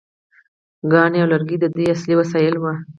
کاڼي او لرګي د دوی اصلي وسایل وو.